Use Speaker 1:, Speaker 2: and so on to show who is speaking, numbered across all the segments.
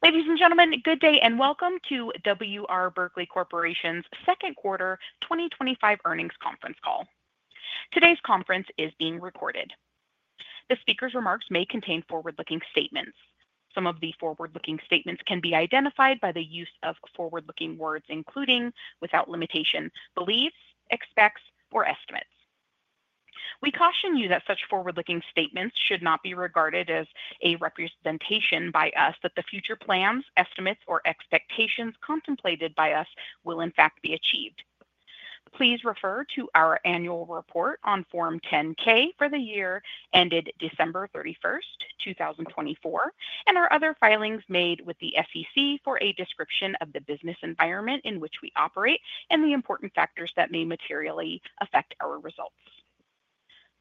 Speaker 1: Ladies and gentlemen, good day and welcome to W. R. Berkley Corporation's second quarter 2025 earnings conference call. Today's conference is being recorded. The speaker's remarks may contain forward-looking statements. Some of the forward-looking statements can be identified by the use of forward-looking words including, without limitation, beliefs, expects, or estimates. We caution you that such forward-looking statements should not be regarded as a representation by us that the future plans, estimates, or expectations contemplated by us will, in fact, be achieved. Please refer to our annual report on Form 10-K for the year ended December 31, 2024, and our other filings made with the SEC for a description of the business environment in which we operate and the important factors that may materially affect our` results.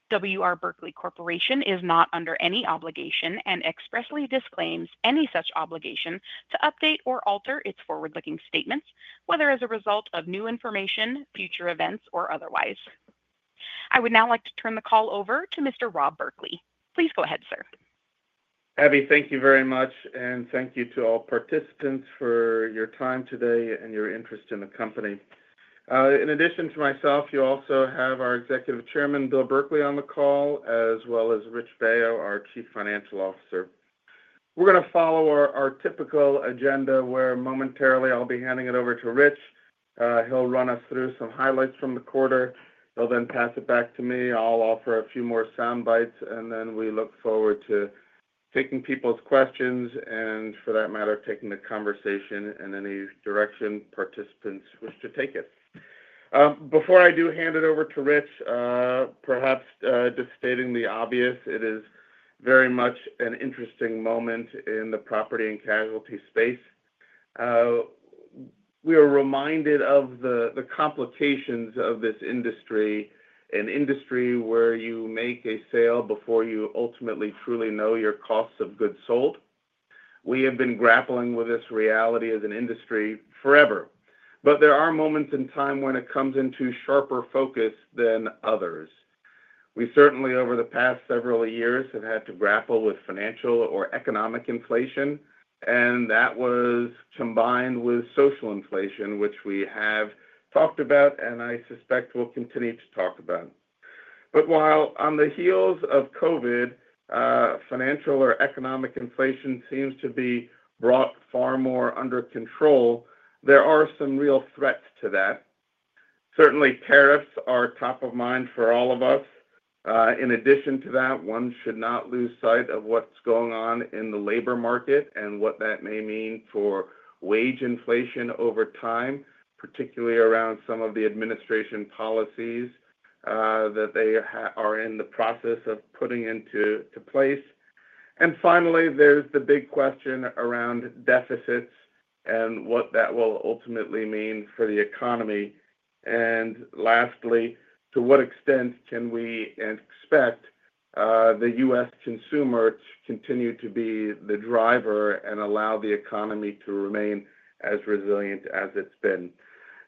Speaker 1: W. R. Berkley Corporation is not under any obligation and expressly disclaims any such obligation to update or alter its forward-looking statements, whether as a result of new information, future events, or otherwise. I would now like to turn the call over to Mr. Rob Berkley. Please go ahead, sir.
Speaker 2: Abby, thank you very much, and thank you to all participants for your time today and your interest in the company. In addition to myself, you also have our Executive Chairman, Will Berkley, on the call, as well as Rich Baio, our Chief Financial Officer. We're going to follow our typical agenda where momentarily I'll be handing it over to Rich. He'll run us through some highlights from the quarter. He'll then pass it back to me. I'll offer a few more sound bites, and then we look forward to taking people's questions and, for that matter, taking the conversation in any direction participants wish to take it. Before I do hand it over to Rich, perhaps just stating the obvious, it is very much an interesting moment in the property and casualty space. We are reminded of the complications of this industry, an industry where you make a sale before you ultimately truly know your costs of goods sold. We have been grappling with this reality as an industry forever, but there are moments in time when it comes into sharper focus than others. We certainly, over the past several years, have had to grapple with financial or economic inflation, and that was combined with social inflation, which we have talked about and I suspect will continue to talk about. While on the heels of COVID, financial or economic inflation seems to be brought far more under control, there are some real threats to that. Certainly, tariffs are top of mind for all of us. In addition to that, one should not lose sight of what's going on in the labor market and what that may mean for wage inflation over time, particularly around some of the administration policies that they are in the process of putting into place. Finally, there's the big question around deficits and what that will ultimately mean for the economy. Lastly, to what extent can we expect the U.S. consumer to continue to be the driver and allow the economy to remain as resilient as it's been?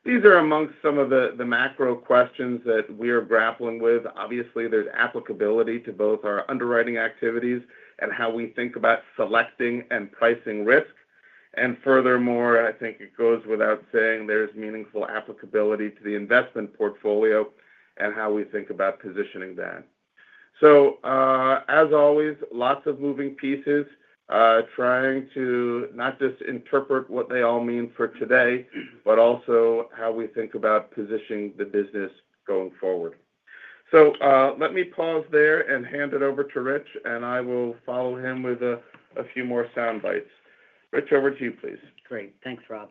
Speaker 2: These are amongst some of the macro questions that we are grappling with. Obviously, there's applicability to both our underwriting activities and how we think about selecting and pricing risk. Furthermore, I think it goes without saying there's meaningful applicability to the investment portfolio and how we think about positioning that. As always, lots of moving pieces. Trying to not just interpret what they all mean for today, but also how we think about positioning the business going forward. Let me pause there and hand it over to Rich, and I will follow him with a few more sound bites. Rich, over to you, please.
Speaker 3: Great. Thanks, Rob.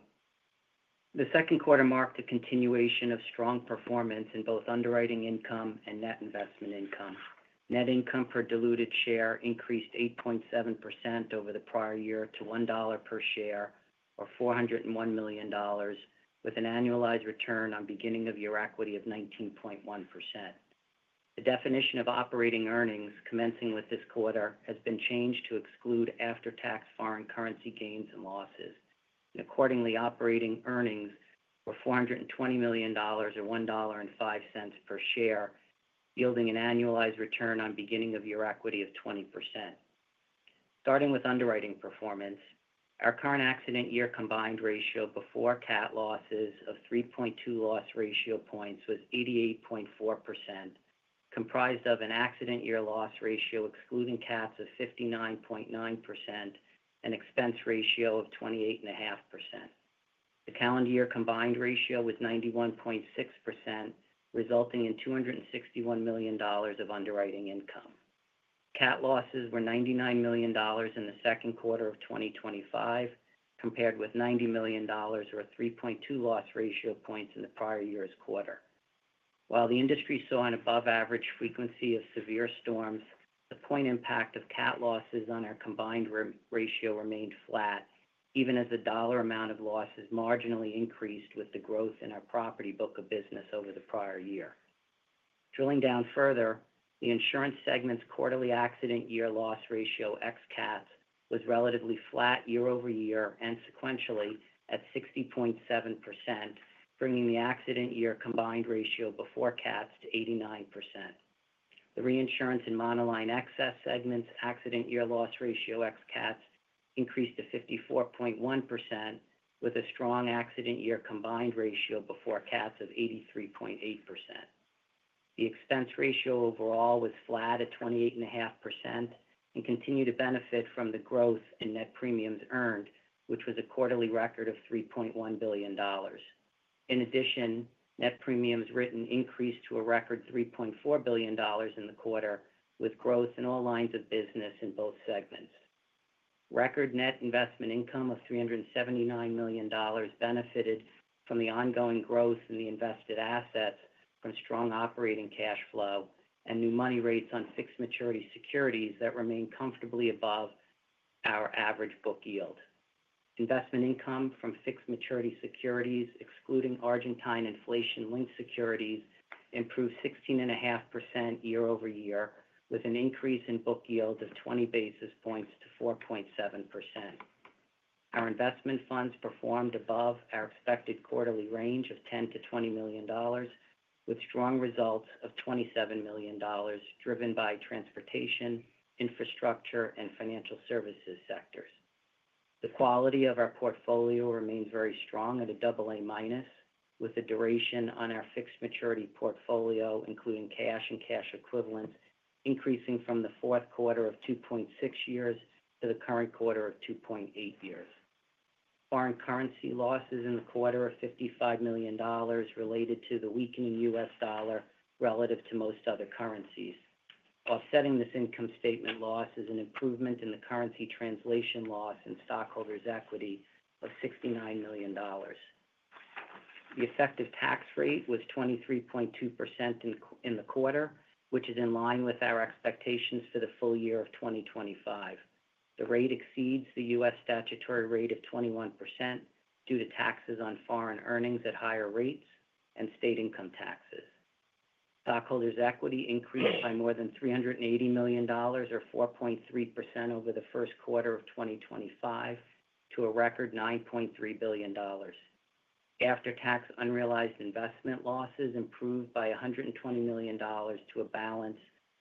Speaker 3: The second quarter marked a continuation of strong performance in both underwriting income and net investment income. Net income per diluted share increased 8.7% over the prior year to $1 per share, or $401 million, with an annualized return on beginning-of-year equity of 19.1%. The definition of operating earnings, commencing with this quarter, has been changed to exclude after-tax foreign currency gains and losses. Accordingly, operating earnings were $420 million, or $1.05 per share, yielding an annualized return on beginning-of-year equity of 20%. Starting with underwriting performance, our current accident-year combined ratio before CAT losses of 3.2 loss ratio points was 88.4%, comprised of an accident-year loss ratio excluding CATs of 59.9% and an expense ratio of 28.5%. The calendar-year combined ratio was 91.6%, resulting in $261 million of underwriting income. CAT losses were $99 million in the second quarter of 2025, compared with $90 million, or 3.2 loss ratio points, in the prior year's quarter. While the industry saw an above-average frequency of severe storms, the point impact of CAT losses on our combined ratio remained flat, even as the dollar amount of losses marginally increased with the growth in our property book of business over the prior year. Drilling down further, the insurance segment's quarterly accident-year loss ratio, ex-CATs, was relatively flat year-over-year and sequentially at 60.7%, bringing the accident-year combined ratio before CATs to 89%. The reinsurance and monoline excess segment's accident-year loss ratio, ex-CATs, increased to 54.1%, with a strong accident-year combined ratio before CATs of 83.8%. The expense ratio overall was flat at 28.5% and continued to benefit from the growth in net premiums earned, which was a quarterly record of $3.1 billion. In addition, net premiums written increased to a record $3.4 billion in the quarter, with growth in all lines of business in both segments. Record net investment income of $379 million benefited from the ongoing growth in the invested assets from strong operating cash flow and new money rates on fixed maturity securities that remain comfortably above our average book yield. Investment income from fixed maturity securities, excluding Argentine inflation-linked securities, improved 16.5% year-over-year, with an increase in book yield of 20 basis points to 4.7%. Our investment funds performed above our expected quarterly range of $10 million-$20 million, with strong results of $27 million, driven by transportation, infrastructure, and financial services sectors. The quality of our portfolio remains very strong at a AA-, with the duration on our fixed maturity portfolio, including cash and cash equivalents, increasing from the fourth quarter of 2.6 years to the current quarter of 2.8 years. Foreign currency losses in the quarter of $55 million related to the weakening U.S. dollar relative to most other currencies. Offsetting this income statement loss is an improvement in the currency translation loss in stockholders' equity of $69 million. The effective tax rate was 23.2% in the quarter, which is in line with our expectations for the full year of 2025. The rate exceeds the U.S. statutory rate of 21% due to taxes on foreign earnings at higher rates and state income taxes. Stockholders' equity increased by more than $380 million, or 4.3%, over the first quarter of 2025 to a record $9.3 billion. After-tax unrealized investment losses improved by $120 million to a balance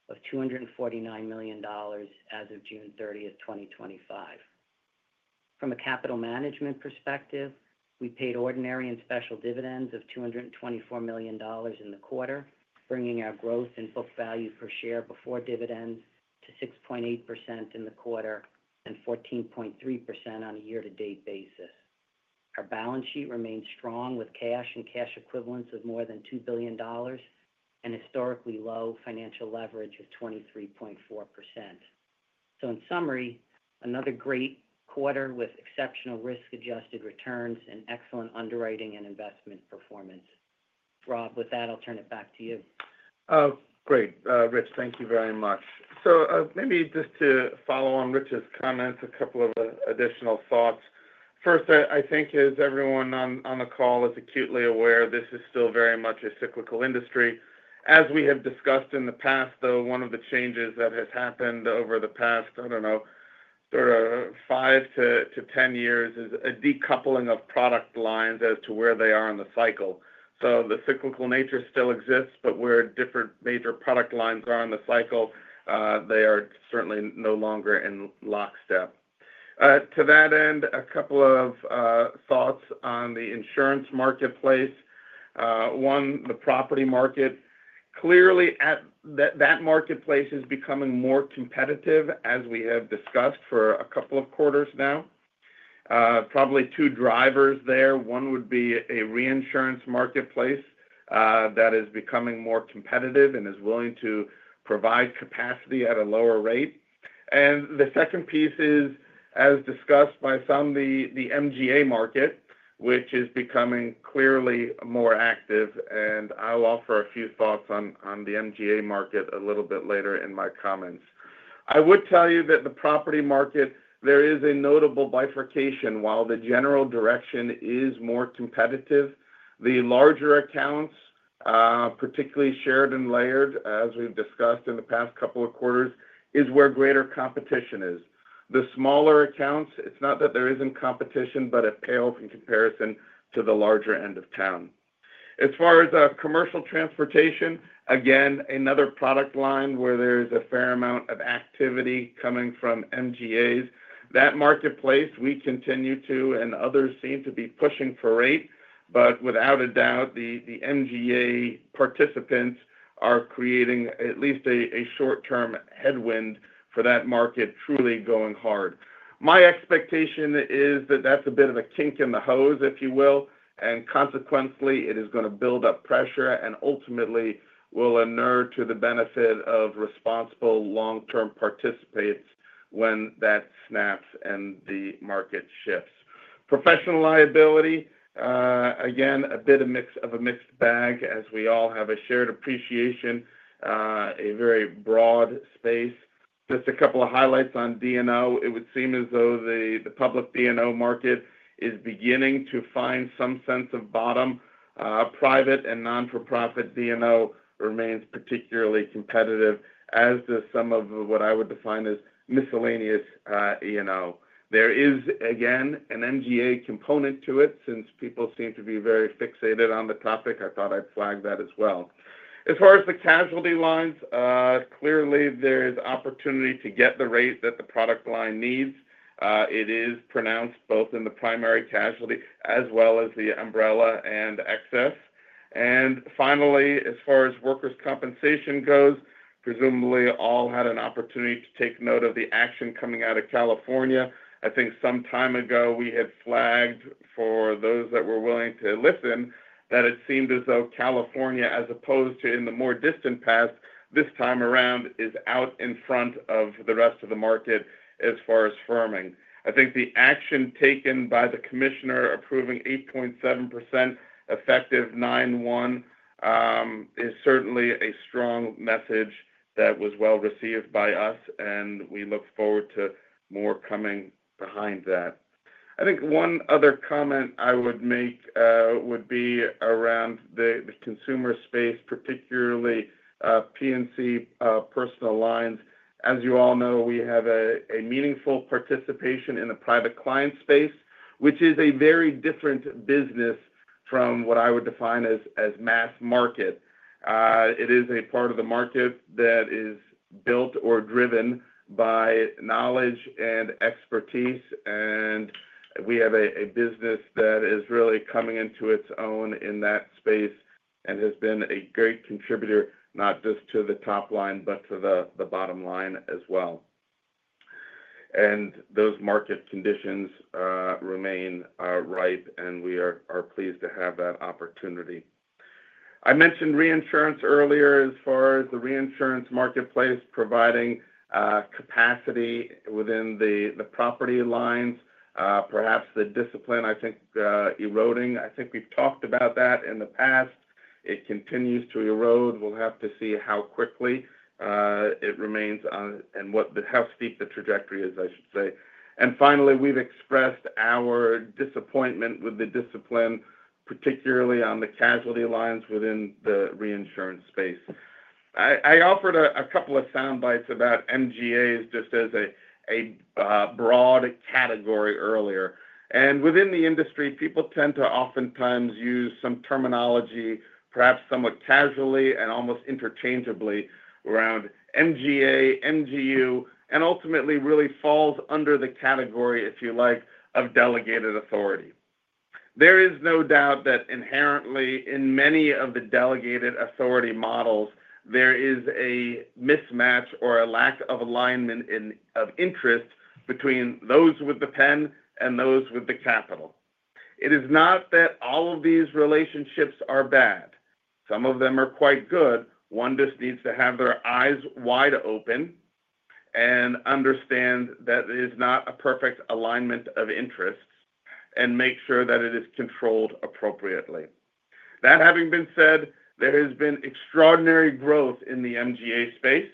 Speaker 3: of $249 million as of June 30, 2025. From a capital management perspective, we paid ordinary and special dividends of $224 million in the quarter, bringing our growth in book value per share before dividends to 6.8% in the quarter and 14.3% on a year-to-date basis. Our balance sheet remains strong with cash and cash equivalents of more than $2 billion. Historically low financial leverage of 23.4%. In summary, another great quarter with exceptional risk-adjusted returns and excellent underwriting and investment performance. Rob, with that, I'll turn it back to you.
Speaker 2: Great. Rich, thank you very much. Maybe just to follow on Rich's comments, a couple of additional thoughts. First, I think, as everyone on the call is acutely aware, this is still very much a cyclical industry. As we have discussed in the past, though, one of the changes that has happened over the past, I do not know, sort of 5 to 10 years is a decoupling of product lines as to where they are in the cycle. The cyclical nature still exists, but where different major product lines are in the cycle, they are certainly no longer in lockstep. To that end, a couple of thoughts on the insurance marketplace. One, the property market. Clearly, that marketplace is becoming more competitive, as we have discussed for a couple of quarters now. Probably two drivers there. One would be a reinsurance marketplace that is becoming more competitive and is willing to provide capacity at a lower rate. The second piece is, as discussed by some, the MGA market, which is becoming clearly more active. I will offer a few thoughts on the MGA market a little bit later in my comments. I would tell you that the property market, there is a notable bifurcation. While the general direction is more competitive, the larger accounts, particularly shared and layered, as we have discussed in the past couple of quarters, is where greater competition is. The smaller accounts, it is not that there is not competition, but it pales in comparison to the larger end of town. As far as commercial transportation, again, another product line where there is a fair amount of activity coming from MGAs. That marketplace, we continue to, and others seem to be pushing for rate, but without a doubt, the MGA participants are creating at least a short-term headwind for that market truly going hard. My expectation is that that is a bit of a kink in the hose, if you will, and consequently, it is going to build up pressure and ultimately will inure to the benefit of responsible long-term participants when that snaps and the market shifts. Professional liability, again, a bit of a mixed bag, as we all have a shared appreciation. A very broad space. Just a couple of highlights on D&O. It would seem as though the public D&O market is beginning to find some sense of bottom. Private and non-for-profit D&O remains particularly competitive, as does some of what I would define as miscellaneous E&O. There is, again, an MGA component to it since people seem to be very fixated on the topic. I thought I would flag that as well. As far as the casualty lines, clearly there is opportunity to get the rate that the product line needs. It is pronounced both in the primary casualty as well as the umbrella and excess. Finally, as far as workers' compensation goes, presumably all had an opportunity to take note of the action coming out of California. I think some time ago we had flagged for those that were willing to listen that it seemed as though California, as opposed to in the more distant past, this time around is out in front of the rest of the market as far as firming. I think the action taken by the commissioner approving 8.7% effective 9/1 is certainly a strong message that was well received by us, and we look forward to more coming behind that. I think one other comment I would make would be around the consumer space, particularly P&C personal lines. As you all know, we have a meaningful participation in the private client space, which is a very different business from what I would define as mass market. It is a part of the market that is built or driven by knowledge and expertise, and we have a business that is really coming into its own in that space and has been a great contributor, not just to the top line, but to the bottom line as well. Those market conditions remain ripe, and we are pleased to have that opportunity. I mentioned reinsurance earlier as far as the reinsurance marketplace providing capacity within the property lines, perhaps the discipline, I think, eroding. I think we've talked about that in the past. It continues to erode. We'll have to see how quickly it remains and how steep the trajectory is, I should say. Finally, we've expressed our disappointment with the discipline, particularly on the casualty lines within the reinsurance space. I offered a couple of sound bites about MGAs just as a broad category earlier. Within the industry, people tend to oftentimes use some terminology, perhaps somewhat casually and almost interchangeably, around MGA, MGU, and ultimately really falls under the category, if you like, of delegated authority. There is no doubt that inherently, in many of the delegated authority models, there is a mismatch or a lack of alignment of interest between those with the pen and those with the capital. It is not that all of these relationships are bad. Some of them are quite good. One just needs to have their eyes wide open and understand that there is not a perfect alignment of interests and make sure that it is controlled appropriately. That having been said, there has been extraordinary growth in the MGA space.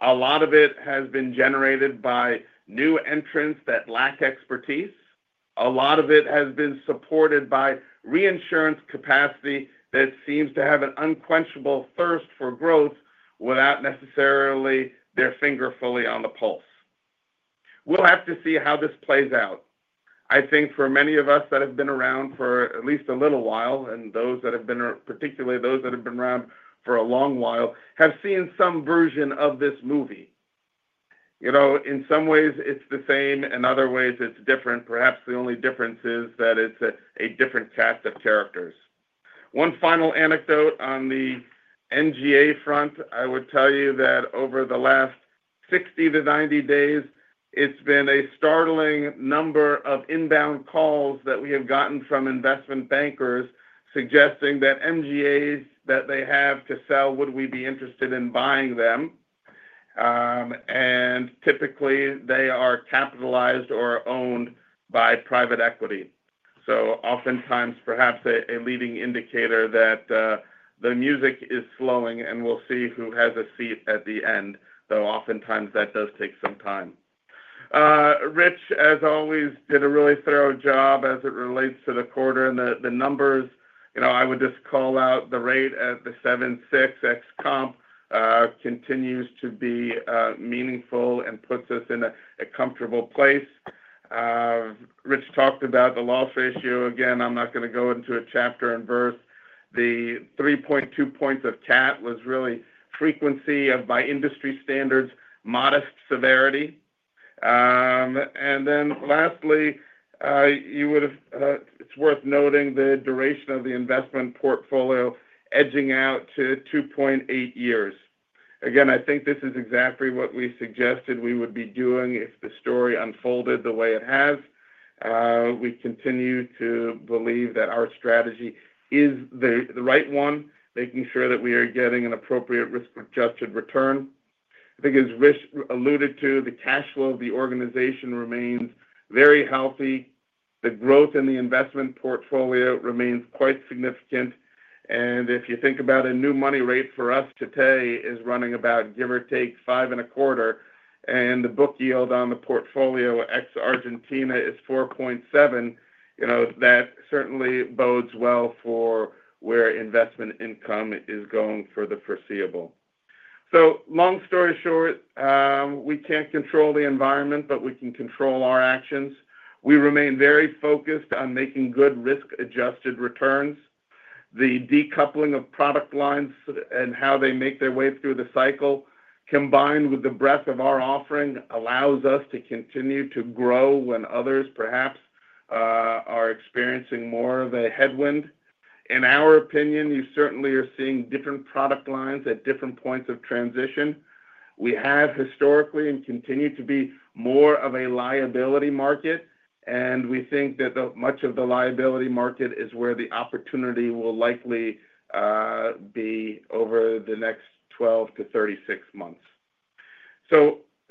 Speaker 2: A lot of it has been generated by new entrants that lack expertise. A lot of it has been supported by reinsurance capacity that seems to have an unquenchable thirst for growth without necessarily their finger fully on the pulse. We'll have to see how this plays out. I think for many of us that have been around for at least a little while, and particularly those that have been around for a long while, have seen some version of this movie. In some ways, it's the same. In other ways, it's different. Perhaps the only difference is that it's a different cast of characters. One final anecdote on the MGA front, I would tell you that over the last 60-90 days, it's been a startling number of inbound calls that we have gotten from investment bankers suggesting that MGAs that they have to sell, would we be interested in buying them? And typically, they are capitalized or owned by private equity. So oftentimes, perhaps a leading indicator that the music is slowing, and we'll see who has a seat at the end, though oftentimes that does take some time. Rich, as always, did a really thorough job as it relates to the quarter and the numbers. I would just call out the rate at the 7.6 ex comp. Continues to be meaningful and puts us in a comfortable place. Rich talked about the loss ratio. Again, I'm not going to go into a chapter and verse. The 3.2 points of CAT was really frequency of, by industry standards, modest severity. And then lastly, it's worth noting the duration of the investment portfolio edging out to 2.8 years. Again, I think this is exactly what we suggested we would be doing if the story unfolded the way it has. We continue to believe that our strategy is the right one, making sure that we are getting an appropriate risk-adjusted return. I think, as Rich alluded to, the cash flow of the organization remains very healthy. The growth in the investment portfolio remains quite significant. And if you think about a new money rate for us today is running about, give or take, 5.25%, and the book yield on the portfolio ex Argentina is 4.7%, that certainly bodes well for where investment income is going for the foreseeable. Long story short, we can't control the environment, but we can control our actions. We remain very focused on making good risk-adjusted returns. The decoupling of product lines and how they make their way through the cycle, combined with the breadth of our offering, allows us to continue to grow when others perhaps are experiencing more of a headwind. In our opinion, you certainly are seeing different product lines at different points of transition. We have historically and continue to be more of a liability market, and we think that much of the liability market is where the opportunity will likely be over the next 12-36 months.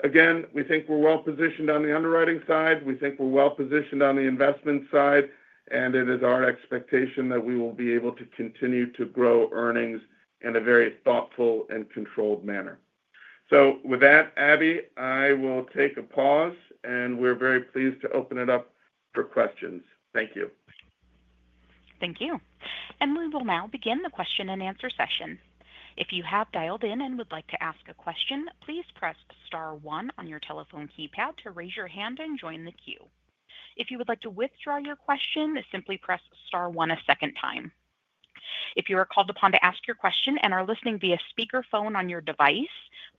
Speaker 2: Again, we think we're well positioned on the underwriting side. We think we're well positioned on the investment side, and it is our expectation that we will be able to continue to grow earnings in a very thoughtful and controlled manner. With that, Abby, I will take a pause, and we're very pleased to open it up for questions. Thank you.
Speaker 1: Thank you. We will now begin the question and answer session. If you have dialed in and would like to ask a question, please press star one on your telephone keypad to raise your hand and join the queue. If you would like to withdraw your question, simply press star one a second time. If you are called upon to ask your question and are listening via speakerphone on your device,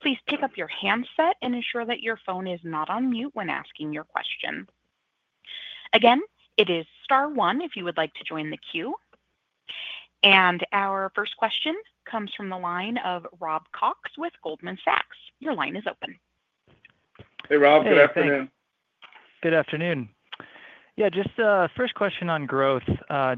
Speaker 1: please pick up your handset and ensure that your phone is not on mute when asking your question. Again, it is star one if you would like to join the queue. Our first question comes from the line of Rob Cox with Goldman Sachs. Your line is open.
Speaker 2: Hey, Rob. Good afternoon.
Speaker 4: Good afternoon. Yeah, just first question on growth,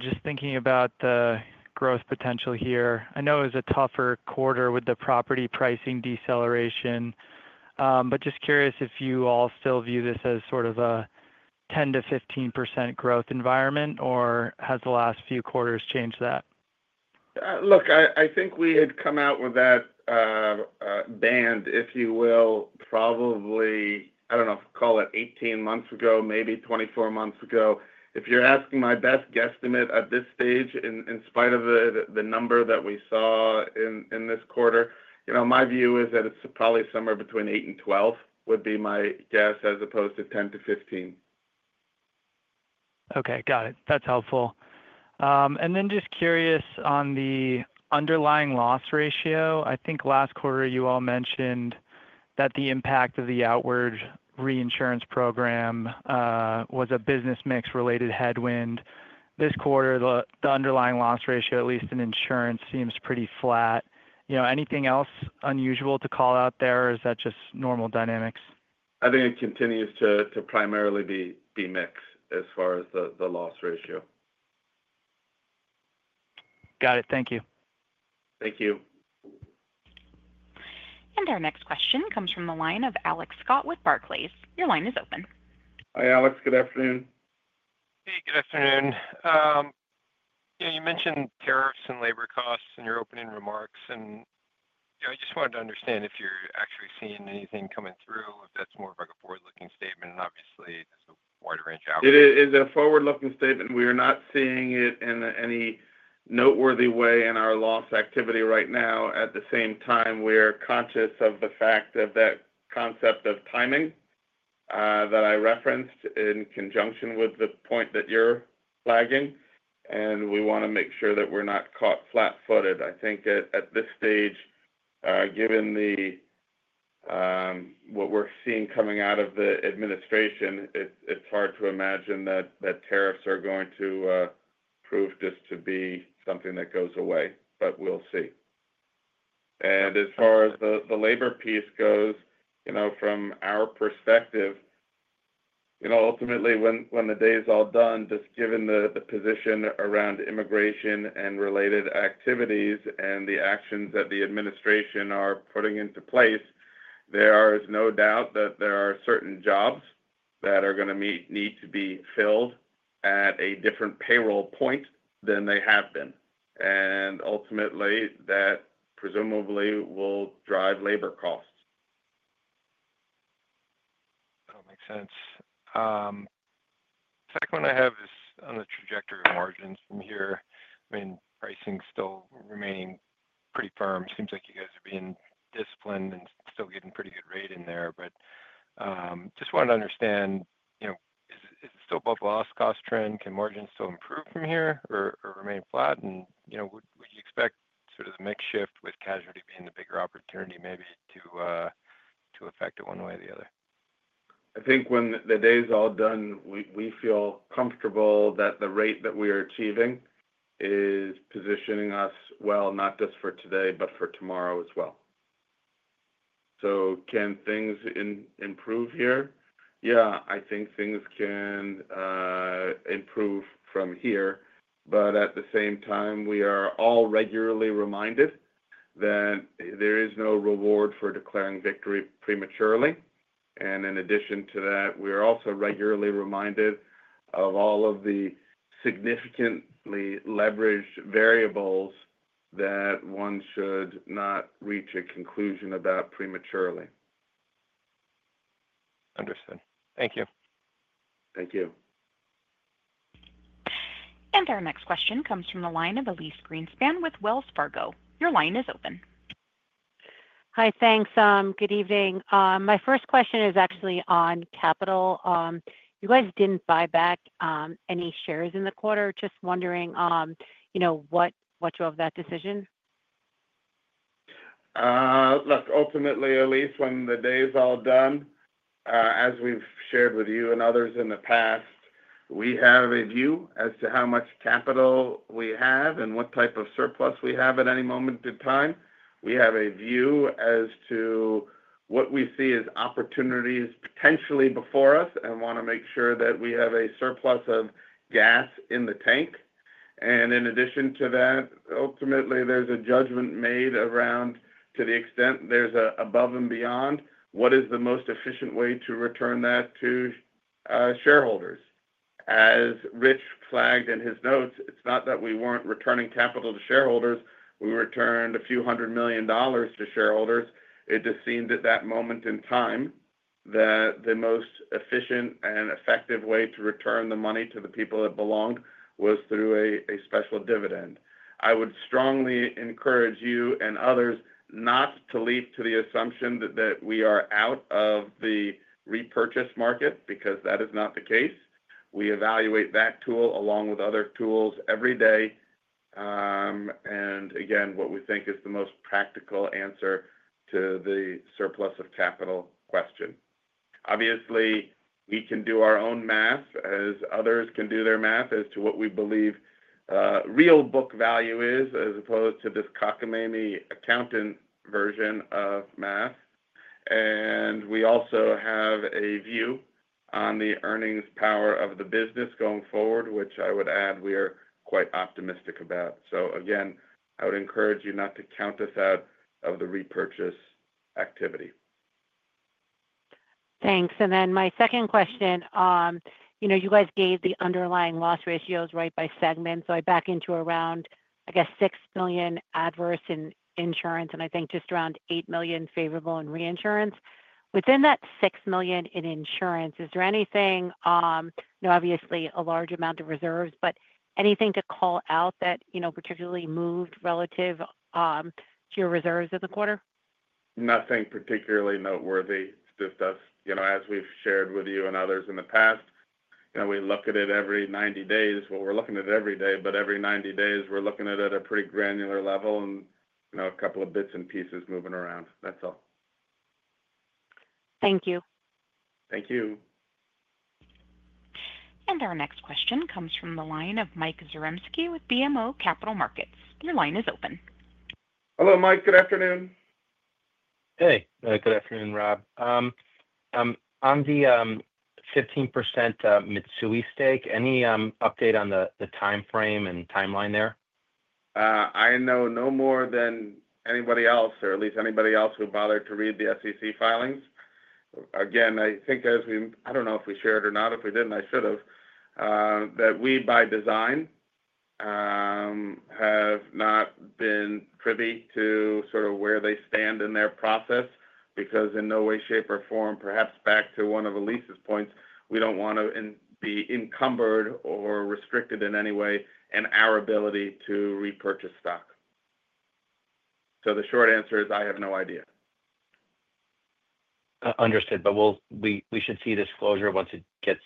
Speaker 4: just thinking about the growth potential here. I know it was a tougher quarter with the property pricing deceleration. Just curious if you all still view this as sort of a 10%-15% growth environment, or has the last few quarters changed that?
Speaker 2: Look, I think we had come out with that band, if you will, probably, I do not know if call it 18 months ago, maybe 24 months ago. If you are asking my best guesstimate at this stage, in spite of the number that we saw in this quarter, my view is that it is probably somewhere between 8% and 12% would be my guess, as opposed to 10%-15%.
Speaker 4: Okay. Got it. That's helpful. Just curious on the underlying loss ratio. I think last quarter, you all mentioned that the impact of the outward reinsurance program was a business mix-related headwind. This quarter, the underlying loss ratio, at least in insurance, seems pretty flat. Anything else unusual to call out there? Is that just normal dynamics?
Speaker 2: I think it continues to primarily be mixed as far as the loss ratio.
Speaker 4: Got it. Thank you.
Speaker 2: Thank you.
Speaker 1: Our next question comes from the line of Alex Scott with Barclays. Your line is open.
Speaker 2: Hi, Alex. Good afternoon.
Speaker 5: Hey, good afternoon. You mentioned tariffs and labor costs in your opening remarks, and I just wanted to understand if you're actually seeing anything coming through, if that's more of a forward-looking statement. Obviously, there's a wide range out there.
Speaker 2: It is a forward-looking statement. We are not seeing it in any noteworthy way in our loss activity right now. At the same time, we are conscious of the fact of that concept of timing that I referenced in conjunction with the point that you're flagging. We want to make sure that we're not caught flat-footed. I think at this stage, given what we're seeing coming out of the administration, it's hard to imagine that tariffs are going to prove just to be something that goes away. We'll see. As far as the labor piece goes, from our perspective, ultimately, when the day is all done, just given the position around immigration and related activities and the actions that the administration are putting into place, there is no doubt that there are certain jobs that are going to need to be filled at a different payroll point than they have been. Ultimately, that presumably will drive labor costs.
Speaker 5: That makes sense. The second one I have is on the trajectory of margins from here. I mean, pricing still remaining pretty firm. Seems like you guys are being disciplined and still getting pretty good rate in there. Just wanted to understand. Is it still about the loss cost trend? Can margins still improve from here or remain flat? Would you expect sort of the mix shift with casualty being the bigger opportunity maybe to affect it one way or the other?
Speaker 2: I think when the day is all done, we feel comfortable that the rate that we are achieving is positioning us well, not just for today, but for tomorrow as well. Can things improve here? Yeah, I think things can improve from here. At the same time, we are all regularly reminded that there is no reward for declaring victory prematurely. In addition to that, we are also regularly reminded of all of the significantly leveraged variables that one should not reach a conclusion about prematurely.
Speaker 5: Understood. Thank you.
Speaker 2: Thank you.
Speaker 1: Our next question comes from the line of Elyse Greenspan with Wells Fargo. Your line is open.
Speaker 6: Hi, thanks. Good evening. My first question is actually on capital. You guys did not buy back any shares in the quarter. Just wondering. What drove that decision?
Speaker 2: Look, ultimately, Elyse, when the day is all done, as we've shared with you and others in the past. We have a view as to how much capital we have and what type of surplus we have at any moment in time. We have a view as to what we see as opportunities potentially before us and want to make sure that we have a surplus of gas in the tank. In addition to that, ultimately, there's a judgment made around to the extent there's an above and beyond, what is the most efficient way to return that to shareholders? As Rich flagged in his notes, it's not that we weren't returning capital to shareholders. We returned a few hundred million dollars to shareholders. It just seemed at that moment in time that the most efficient and effective way to return the money to the people it belonged was through a special dividend. I would strongly encourage you and others not to leap to the assumption that we are out of the repurchase market because that is not the case. We evaluate that tool along with other tools every day. Again, what we think is the most practical answer to the surplus of capital question. Obviously, we can do our own math, as others can do their math, as to what we believe real book value is, as opposed to this cockamamie accountant version of math. We also have a view on the earnings power of the business going forward, which I would add we are quite optimistic about. Again, I would encourage you not to count us out of the repurchase activity.
Speaker 6: Thanks. Then my second question. You guys gave the underlying loss ratios right by segment. I back into around, I guess, $6 million adverse in insurance, and I think just around $8 million favorable in reinsurance. Within that $6 million in insurance, is there anything? Obviously a large amount of reserves, but anything to call out that particularly moved relative to your reserves in the quarter?
Speaker 2: Nothing particularly noteworthy. It's just us, as we've shared with you and others in the past. We look at it every 90 days. We're looking at it every day, but every 90 days, we're looking at it at a pretty granular level and a couple of bits and pieces moving around. That's all.
Speaker 6: Thank you.
Speaker 2: Thank you.
Speaker 1: Our next question comes from the line of Mike Zaremski with BMO Capital Markets. Your line is open.
Speaker 2: Hello, Mike. Good afternoon.
Speaker 7: Hey. Good afternoon, Rob. On the 15% Mitsui stake, any update on the timeframe and timeline there?
Speaker 2: I know no more than anybody else, or at least anybody else who bothered to read the SEC filings. Again, I think as we—I do not know if we shared or not. If we did not, I should have—that we, by design, have not been privy to sort of where they stand in their process because in no way, shape, or form, perhaps back to one of Elyse's points, we do not want to be encumbered or restricted in any way in our ability to repurchase stock. The short answer is I have no idea.
Speaker 7: Understood. We should see disclosure once it gets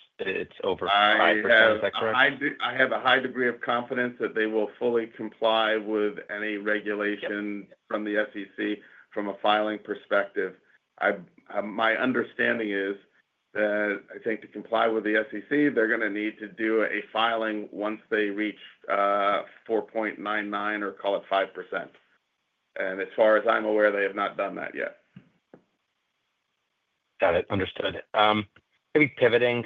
Speaker 7: over 5%. Is that correct?
Speaker 2: I have a high degree of confidence that they will fully comply with any regulation from the SEC from a filing perspective. My understanding is that I think to comply with the SEC, they're going to need to do a filing once they reach 4.99% or call it 5%. As far as I'm aware, they have not done that yet.
Speaker 7: Got it. Understood. Maybe pivoting,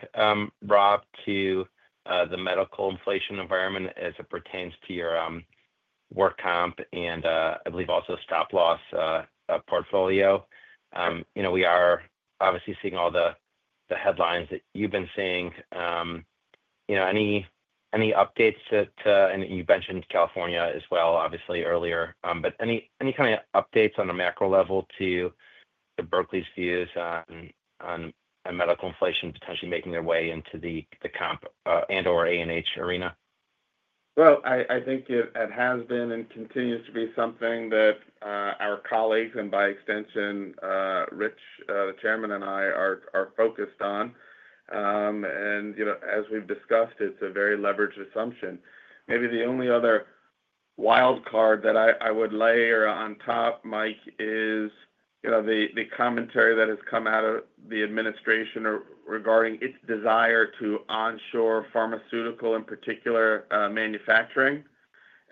Speaker 7: Rob, to the medical inflation environment as it pertains to your work comp and I believe also stop-loss portfolio. We are obviously seeing all the headlines that you've been seeing. Any updates to—and you mentioned California as well, obviously, earlier—any kind of updates on a macro level to the Berkley's views on medical inflation potentially making their way into the comp and/or A&H arena?
Speaker 2: I think it has been and continues to be something that our colleagues and, by extension, Rich, the Chairman, and I are focused on. As we've discussed, it's a very leveraged assumption. Maybe the only other wild card that I would layer on top, Mike, is the commentary that has come out of the administration regarding its desire to onshore pharmaceutical, in particular, manufacturing.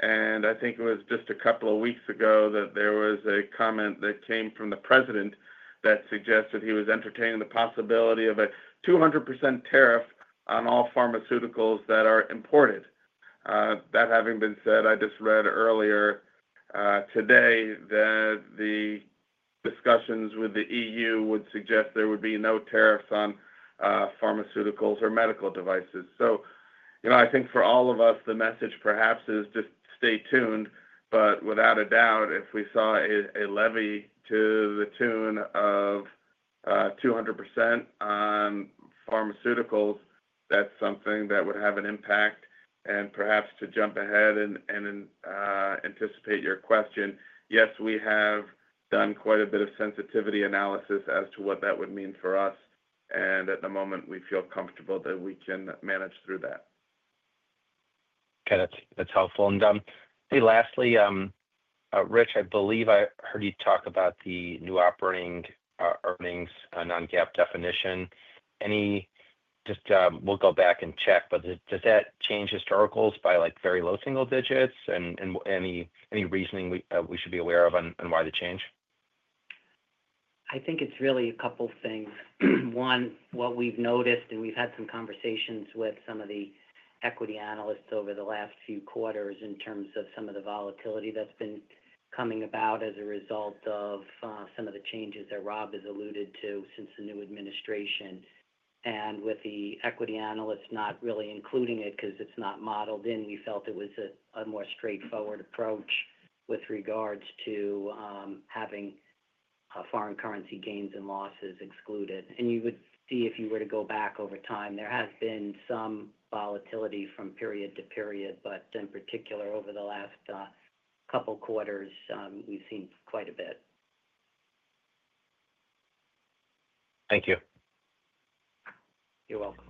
Speaker 2: I think it was just a couple of weeks ago that there was a comment that came from the President that suggested he was entertaining the possibility of a 200% tariff on all pharmaceuticals that are imported. That having been said, I just read earlier today that the discussions with the EU would suggest there would be no tariffs on pharmaceuticals or medical devices. I think for all of us, the message perhaps is just stay tuned. Without a doubt, if we saw a levy to the tune of 200% on pharmaceuticals, that's something that would have an impact. Perhaps to jump ahead and anticipate your question, yes, we have done quite a bit of sensitivity analysis as to what that would mean for us. At the moment, we feel comfortable that we can manage through that.
Speaker 7: Okay. That's helpful. Lastly, Rich, I believe I heard you talk about the new operating earnings non-GAAP definition. Just we'll go back and check, but does that change historicals by very low single digits? Any reasoning we should be aware of on why the change?
Speaker 3: I think it's really a couple of things. One, what we've noticed, and we've had some conversations with some of the equity analysts over the last few quarters in terms of some of the volatility that's been coming about as a result of some of the changes that Rob has alluded to since the new administration. With the equity analysts not really including it because it's not modeled in, we felt it was a more straightforward approach with regards to having foreign currency gains and losses excluded. You would see if you were to go back over time, there has been some volatility from period to period, but in particular, over the last couple of quarters, we've seen quite a bit.
Speaker 7: Thank you.
Speaker 3: You're welcome.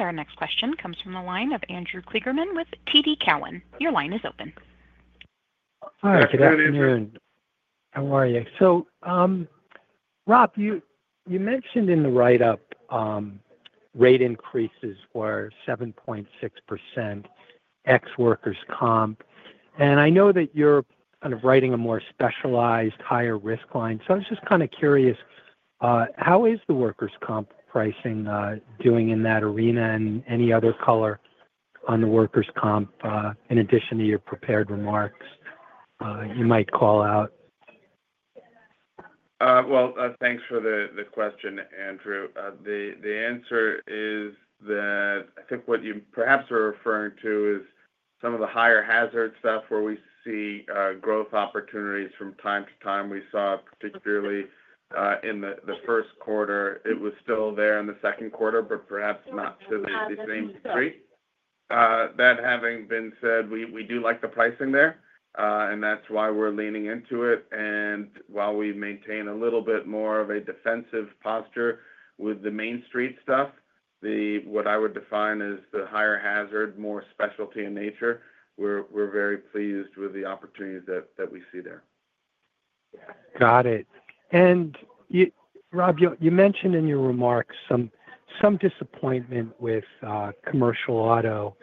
Speaker 1: Our next question comes from the line of Andrew Kligerman with TD Cowen. Your line is open.
Speaker 8: Good afternoon. How are you? Rob, you mentioned in the write-up. Rate increases were 7.6% ex-workers' comp. I know that you're kind of writing a more specialized higher risk line. I was just kind of curious. How is the workers' comp pricing doing in that arena? Any other color on the workers' comp in addition to your prepared remarks you might call out?
Speaker 2: Thanks for the question, Andrew. The answer is that I think what you perhaps are referring to is some of the higher hazard stuff where we see growth opportunities from time to time. We saw particularly in the first quarter, it was still there in the second quarter, but perhaps not to the same degree. That having been said, we do like the pricing there, and that is why we are leaning into it. While we maintain a little bit more of a defensive posture with the Main Street stuff, what I would define as the higher hazard, more specialty in nature, we are very pleased with the opportunities that we see there.
Speaker 8: Got it. Rob, you mentioned in your remarks some disappointment with commercial auto.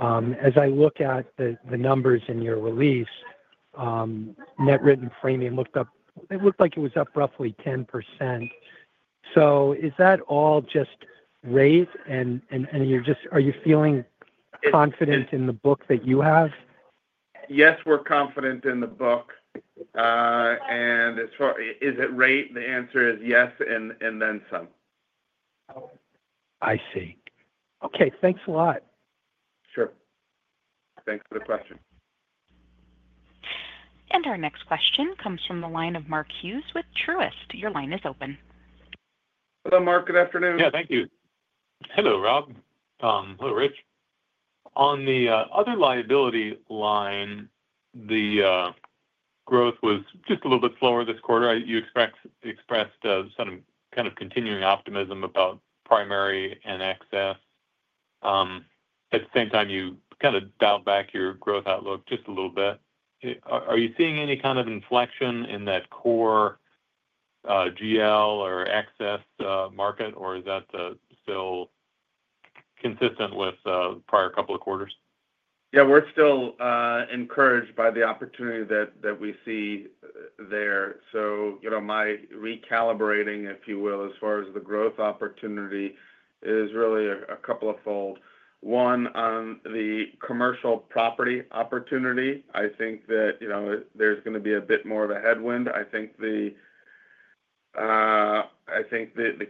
Speaker 8: As I look at the numbers in your release, net written premium looked up. It looked like it was up roughly 10%. Is that all just rate? Are you feeling confident in the book that you have?
Speaker 2: Yes, we're confident in the book. Is it rate? The answer is yes and then some.
Speaker 8: I see. Okay. Thanks a lot.
Speaker 2: Sure. Thanks for the question.
Speaker 1: Our next question comes from the line of Mark Hughes with Truist. Your line is open.
Speaker 2: Hello, Mark. Good afternoon.
Speaker 9: Yeah, thank you. Hello, Rob. Hello, Rich. On the other liability line, the growth was just a little bit slower this quarter. You expressed some kind of continuing optimism about primary and excess. At the same time, you kind of dialed back your growth outlook just a little bit. Are you seeing any kind of inflection in that core GL or excess market, or is that still consistent with the prior couple of quarters?
Speaker 2: Yeah, we're still encouraged by the opportunity that we see there. My recalibrating, if you will, as far as the growth opportunity is really a couple of fold. One, on the commercial property opportunity, I think that there's going to be a bit more of a headwind. I think the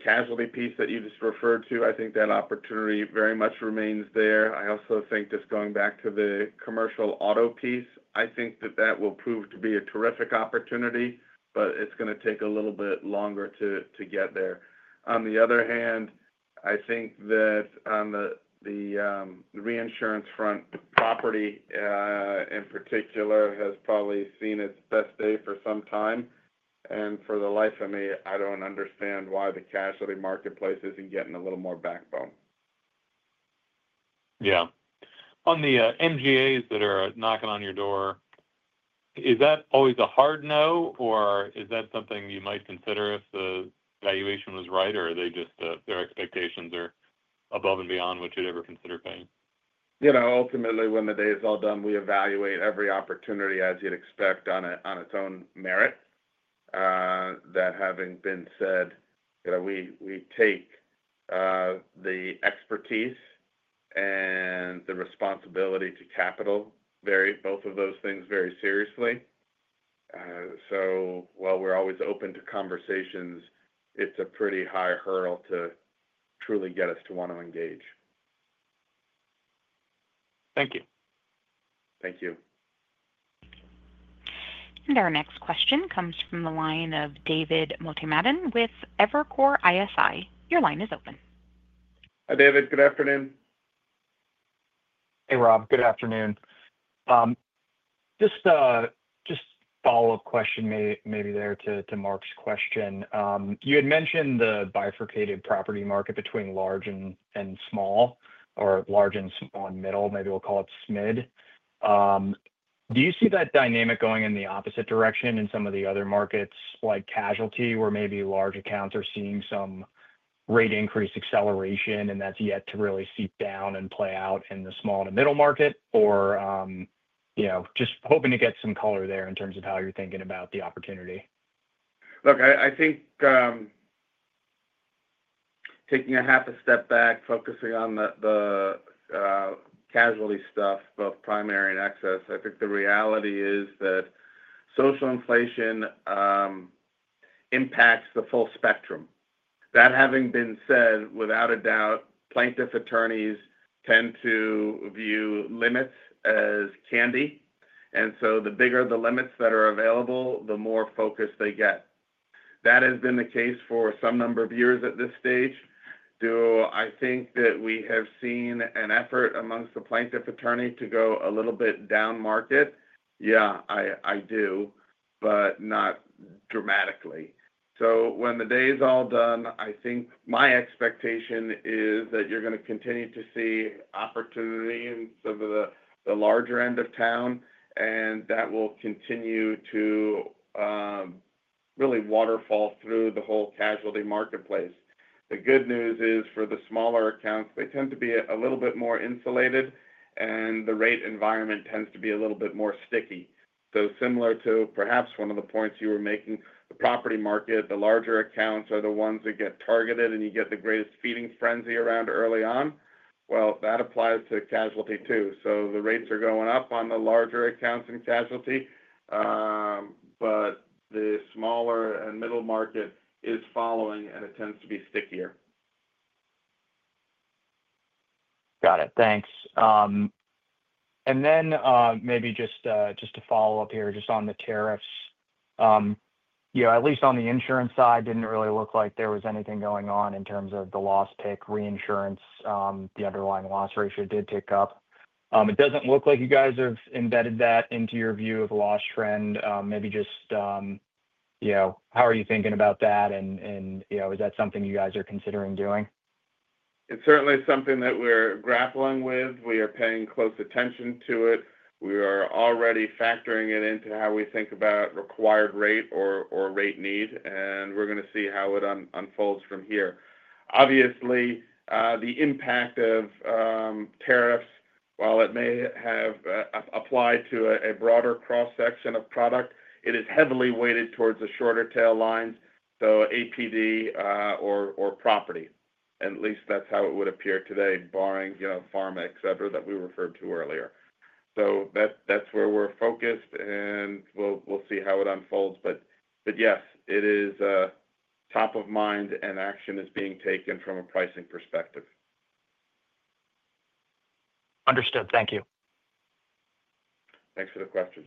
Speaker 2: casualty piece that you just referred to, I think that opportunity very much remains there. I also think just going back to the commercial auto piece, I think that that will prove to be a terrific opportunity, but it's going to take a little bit longer to get there. On the other hand, I think that on the reinsurance front, property in particular has probably seen its best day for some time. For the life of me, I don't understand why the casualty marketplace isn't getting a little more backbone.
Speaker 9: Yeah. On the MGAs that are knocking on your door. Is that always a hard no, or is that something you might consider if the valuation was right, or are they just their expectations are above and beyond what you'd ever consider paying?
Speaker 2: Ultimately, when the day is all done, we evaluate every opportunity as you'd expect on its own merit. That having been said, we take the expertise and the responsibility to capital, both of those things, very seriously. While we're always open to conversations, it's a pretty high hurdle to truly get us to want to engage.
Speaker 9: Thank you.
Speaker 2: Thank you.
Speaker 3: Our next question comes from the line of David Motemaden with Evercore ISI. Your line is open.
Speaker 2: Hi, David. Good afternoon.
Speaker 10: Hey, Rob. Good afternoon. Just a follow-up question maybe there to Mark's question. You had mentioned the bifurcated property market between large and small, or large and small and middle, maybe we'll call it SMID. Do you see that dynamic going in the opposite direction in some of the other markets, like casualty, where maybe large accounts are seeing some rate increase acceleration, and that's yet to really seep down and play out in the small and middle market, or just hoping to get some color there in terms of how you're thinking about the opportunity?
Speaker 2: Look, I think taking a half a step back, focusing on the casualty stuff, both primary and excess, I think the reality is that social inflation impacts the full spectrum. That having been said, without a doubt, plaintiff attorneys tend to view limits as candy. The bigger the limits that are available, the more focused they get. That has been the case for some number of years at this stage. Do I think that we have seen an effort amongst the plaintiff attorney to go a little bit down market? Yeah, I do. Not dramatically. When the day is all done, I think my expectation is that you're going to continue to see opportunity in some of the larger end of town, and that will continue to really waterfall through the whole casualty marketplace. The good news is for the smaller accounts, they tend to be a little bit more insulated, and the rate environment tends to be a little bit more sticky. Similar to perhaps one of the points you were making, the property market, the larger accounts are the ones that get targeted, and you get the greatest feeding frenzy around early on. That applies to casualty too. The rates are going up on the larger accounts in casualty. The smaller and middle market is following, and it tends to be stickier.
Speaker 10: Got it. Thanks. Maybe just to follow up here, just on the tariffs. At least on the insurance side, did not really look like there was anything going on in terms of the loss pick reinsurance. The underlying loss ratio did tick up. It does not look like you guys have embedded that into your view of the loss trend. Maybe just, how are you thinking about that? Is that something you guys are considering doing?
Speaker 2: It's certainly something that we're grappling with. We are paying close attention to it. We are already factoring it into how we think about required rate or rate need. We are going to see how it unfolds from here. Obviously, the impact of tariffs, while it may have applied to a broader cross-section of product, it is heavily weighted towards the shorter tail lines, so APD or property. At least that's how it would appear today, barring pharma, etc., that we referred to earlier. That is where we're focused, and we'll see how it unfolds. Yes, it is top of mind, and action is being taken from a pricing perspective.
Speaker 10: Understood. Thank you.
Speaker 2: Thanks for the questions.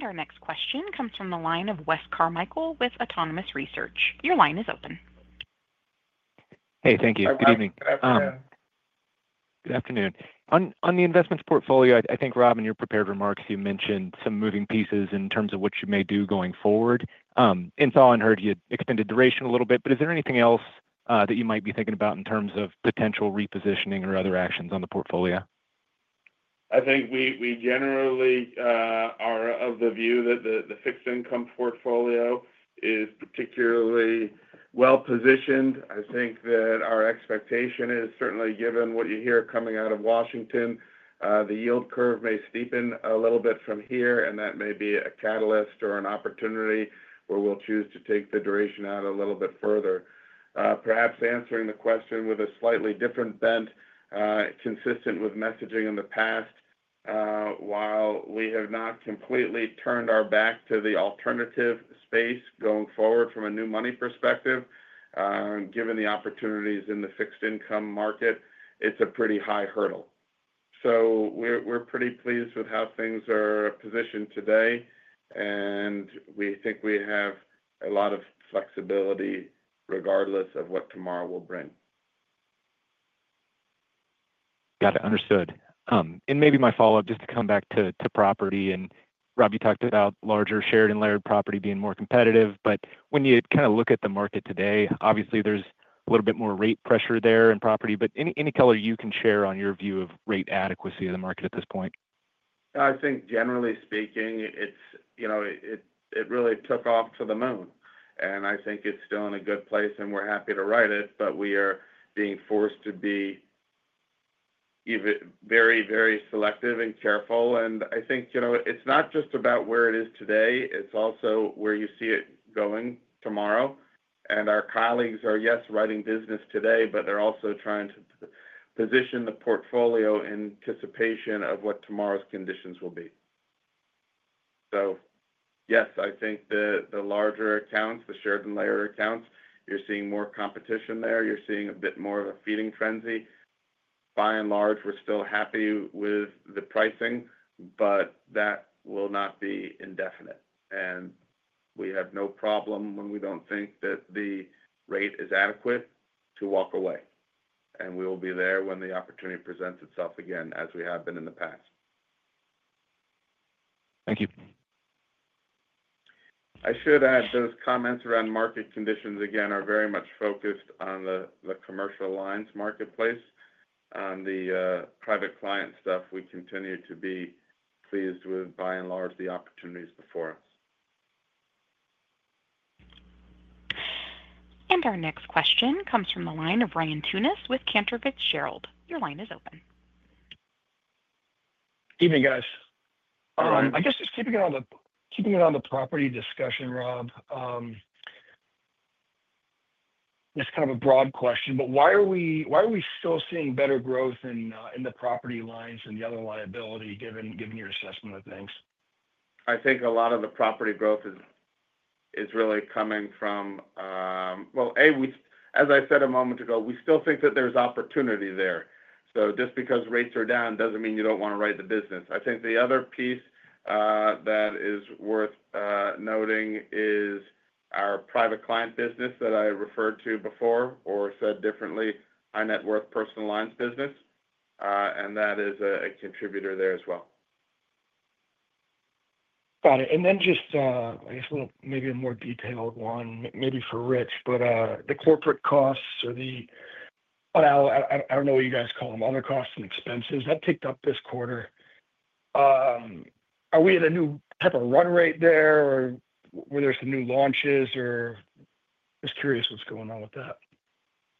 Speaker 3: Our next question comes from the line of Wes Carmichael with Autonomous Research. Your line is open.
Speaker 11: Hey, thank you. Good evening. Good afternoon. On the investment portfolio, I think, Rob, in your prepared remarks, you mentioned some moving pieces in terms of what you may do going forward. In all, I heard you extended duration a little bit, but is there anything else that you might be thinking about in terms of potential repositioning or other actions on the portfolio?
Speaker 2: I think we generally are of the view that the fixed income portfolio is particularly well positioned. I think that our expectation is certainly, given what you hear coming out of Washington, the yield curve may steepen a little bit from here, and that may be a catalyst or an opportunity where we'll choose to take the duration out a little bit further. Perhaps answering the question with a slightly different bent, consistent with messaging in the past, while we have not completely turned our back to the alternative space going forward from a new money perspective, given the opportunities in the fixed income market, it's a pretty high hurdle. We are pretty pleased with how things are positioned today, and we think we have a lot of flexibility regardless of what tomorrow will bring.
Speaker 11: Got it. Understood. Maybe my follow-up, just to come back to property. Rob, you talked about larger shared and layered property being more competitive. When you kind of look at the market today, obviously, there's a little bit more rate pressure there in property. Any color you can share on your view of rate adequacy of the market at this point?
Speaker 2: I think, generally speaking, it really took off to the moon. I think it's still in a good place, and we're happy to write it, but we are being forced to be very, very selective and careful. I think it's not just about where it is today. It's also where you see it going tomorrow. Our colleagues are, yes, writing business today, but they're also trying to position the portfolio in anticipation of what tomorrow's conditions will be. Yes, I think the larger accounts, the shared and layered accounts, you're seeing more competition there. You're seeing a bit more of a feeding frenzy. By and large, we're still happy with the pricing, but that will not be indefinite. We have no problem when we don't think that the rate is adequate to walk away. We will be there when the opportunity presents itself again, as we have been in the past.
Speaker 11: Thank you.
Speaker 2: I should add those comments around market conditions again are very much focused on the commercial lines marketplace. On the private client stuff, we continue to be pleased with, by and large, the opportunities before us.
Speaker 1: Our next question comes from the line of Ryan Tunis with Cantor Fitzgerald. Your line is open.
Speaker 12: Evening, guys. I guess just keeping it on the property discussion, Rob. It's kind of a broad question, but why are we still seeing better growth in the property lines and the other liability, given your assessment of things?
Speaker 2: I think a lot of the property growth is really coming from, as I said a moment ago, we still think that there's opportunity there. Just because rates are down does not mean you do not want to write the business. I think the other piece that is worth noting is our private client business that I referred to before, or said differently, our net worth personal lines business. That is a contributor there as well.
Speaker 12: Got it. I guess, maybe a more detailed one, maybe for Rich, but the corporate costs or the, I do not know what you guys call them, other costs and expenses. That ticked up this quarter. Are we in a new type of run rate there, or were there some new launches? Just curious what is going on with that.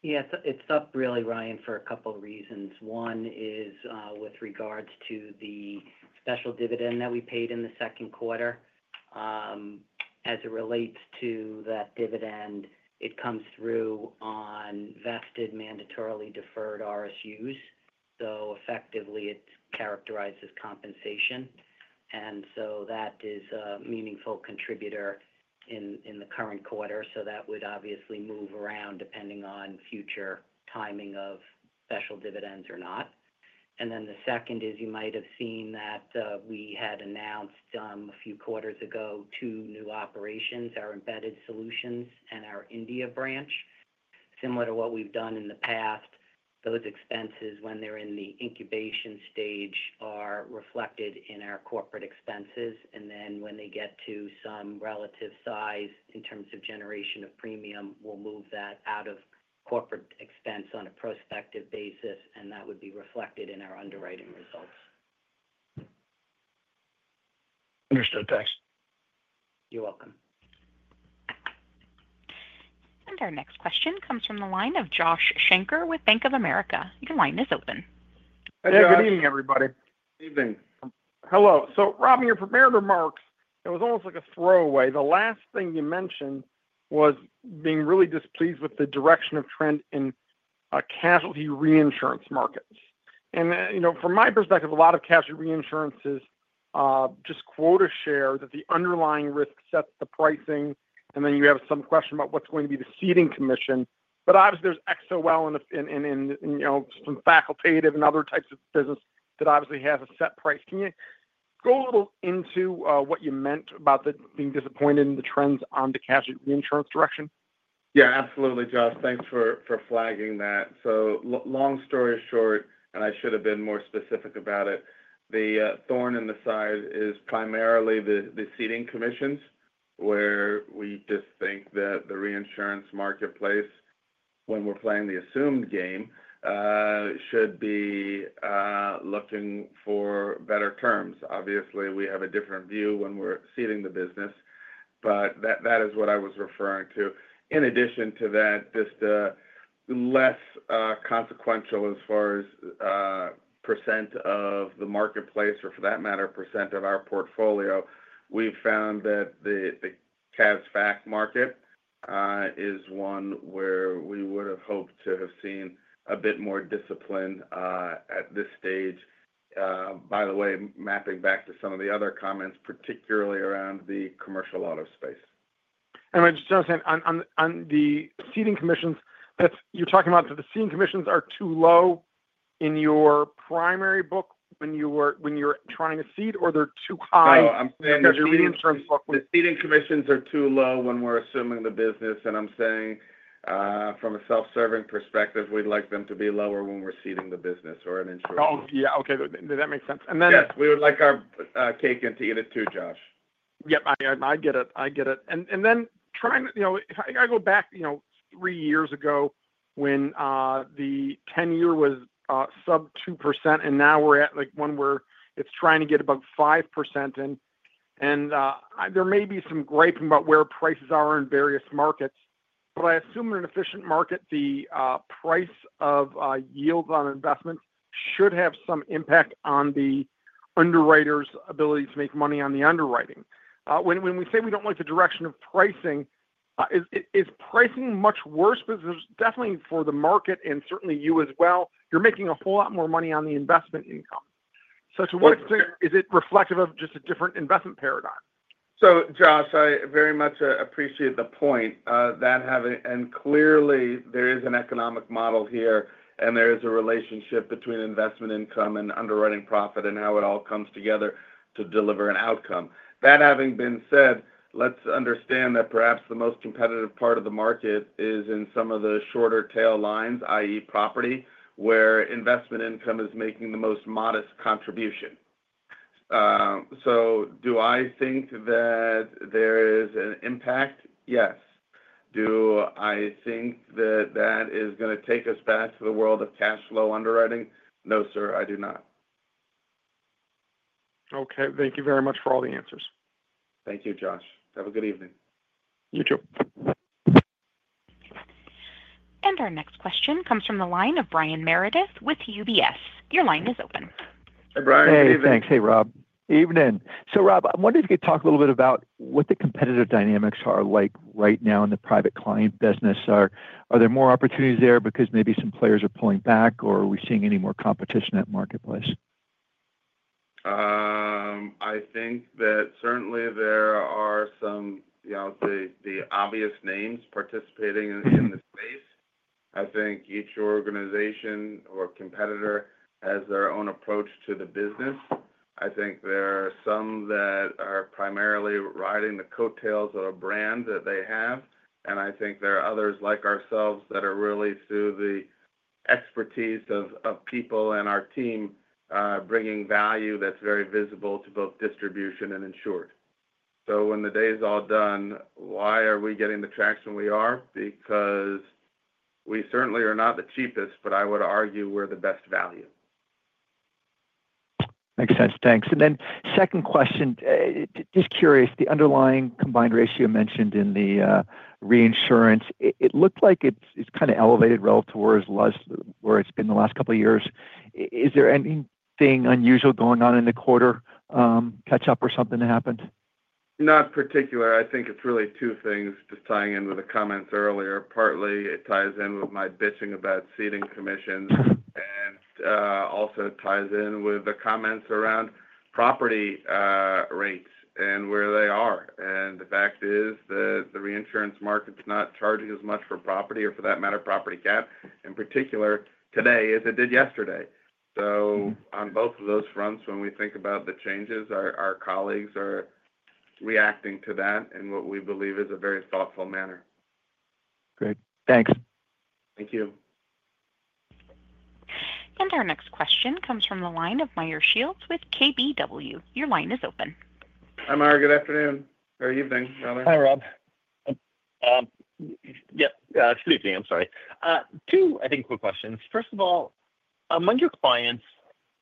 Speaker 3: Yeah, it's up really, Ryan, for a couple of reasons. One is with regards to the special dividend that we paid in the second quarter. As it relates to that dividend, it comes through on vested mandatorily deferred RSUs. So effectively, it's characterized as compensation. That is a meaningful contributor in the current quarter. That would obviously move around depending on future timing of special dividends or not. The second is you might have seen that we had announced a few quarters ago two new operations, our embedded solutions and our India branch. Similar to what we've done in the past, those expenses, when they're in the incubation stage, are reflected in our corporate expenses. When they get to some relative size in terms of generation of premium, we'll move that out of corporate expense on a prospective basis, and that would be reflected in our underwriting results.
Speaker 12: Understood. Thanks.
Speaker 3: You're welcome.
Speaker 1: Our next question comes from the line of Josh Shanker with Bank of America. Your line is open.
Speaker 13: Hey, good evening, everybody.
Speaker 2: Good evening.
Speaker 13: Hello. Rob, in your prepared remarks, it was almost like a throwaway. The last thing you mentioned was being really displeased with the direction of trend in casualty reinsurance markets. From my perspective, a lot of casualty reinsurance is just quota share that the underlying risk sets the pricing, and then you have some question about what's going to be the ceding commission. Obviously, there's XOL and some facultative and other types of business that obviously has a set price. Can you go a little into what you meant about being disappointed in the trends on the casualty insurance direction?
Speaker 2: Yeah, absolutely, Josh. Thanks for flagging that. Long story short, and I should have been more specific about it, the thorn in the side is primarily the ceding commissions, where we just think that the reinsurance marketplace, when we're playing the assumed game, should be looking for better terms. Obviously, we have a different view when we're seating the business. That is what I was referring to. In addition to that, less consequential as far as percent of the marketplace or, for that matter, percent of our portfolio, we've found that the [CASFAC market is one where we would have hoped to have seen a bit more discipline at this stage. By the way, mapping back to some of the other comments, particularly around the commercial auto space.
Speaker 13: I'm just saying, on the ceding commissions, you're talking about that the ceding commissions are too low in your primary book when you're trying to seed, or they're too high because your reinsurance book?
Speaker 2: The ceding commissions are too low when we're assuming the business. I'm saying, from a self-serving perspective, we'd like them to be lower when we're ceding the business or an insurance company.
Speaker 13: Oh, yeah. Okay. That makes sense. Then.
Speaker 2: Yes. We would like our cake and to eat it too, Josh.
Speaker 14: Yep. I get it. I get it. If I go back three years ago when the 10-year was sub 2%, and now we're at when it's trying to get above 5%. There may be some griping about where prices are in various markets. I assume in an efficient market, the price of yield on investment should have some impact on the underwriter's ability to make money on the underwriting. When we say we do not like the direction of pricing, is pricing much worse? Because there is definitely, for the market and certainly you as well, you are making a whole lot more money on the investment income. To what extent is it reflective of just a different investment paradigm?
Speaker 2: Josh, I very much appreciate the point. Clearly, there is an economic model here, and there is a relationship between investment income and underwriting profit and how it all comes together to deliver an outcome. That having been said, let's understand that perhaps the most competitive part of the market is in some of the shorter tail lines, i.e., property, where investment income is making the most modest contribution. Do I think that there is an impact? Yes. Do I think that that is going to take us back to the world of cash flow underwriting? No, sir, I do not.
Speaker 13: Okay. Thank you very much for all the answers.
Speaker 2: Thank you, Josh. Have a good evening.
Speaker 13: You too.
Speaker 1: Our next question comes from the line of Brian Meredith with UBS. Your line is open.
Speaker 2: Hey, Brian. Good evening.
Speaker 15: Hey, thanks. Hey, Rob. Evening. Rob, I wonder if you could talk a little bit about what the competitive dynamics are like right now in the Private Client business. Are there more opportunities there because maybe some players are pulling back, or are we seeing any more competition at marketplace?
Speaker 2: I think that certainly there are some. The obvious names participating in the space. I think each organization or competitor has their own approach to the business. I think there are some that are primarily riding the coattails of a brand that they have. I think there are others like ourselves that are really through the expertise of people and our team bringing value that's very visible to both distribution and insured. When the day is all done, why are we getting the traction we are? Because we certainly are not the cheapest, but I would argue we're the best value.
Speaker 15: Makes sense. Thanks. Second question, just curious, the underlying combined ratio mentioned in the reinsurance, it looked like it's kind of elevated relative to where it's been the last couple of years. Is there anything unusual going on in the quarter catch-up or something that happened?
Speaker 2: Not particular. I think it's really two things, just tying in with the comments earlier. Partly, it ties in with my bitching about ceding commissions. It also ties in with the comments around property rates and where they are. The fact is that the reinsurance market's not charging as much for property or, for that matter, property cat in particular today as it did yesterday. On both of those fronts, when we think about the changes, our colleagues are reacting to that in what we believe is a very thoughtful manner.
Speaker 15: Great. Thanks.
Speaker 2: Thank you.
Speaker 1: Our next question comes from the line of Meyer Shields with KBW. Your line is open.
Speaker 2: Hi, Meyer. Good afternoon or evening, rather.
Speaker 16: Hi, Rob. Yep. Excuse me. I'm sorry. Two, I think, quick questions. First of all, among your clients,